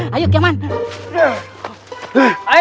saya telah berjaya